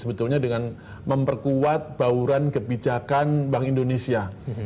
sebetulnya dengan memperkuat bauran kebijakan bank indonesia